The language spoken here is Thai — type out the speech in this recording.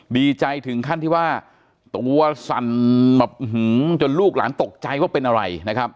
ดีใจถึงขั้นที่ว่าตัวสั่นแบบจนลูกหลานตกใจว่าเป็นอะไรนะครับ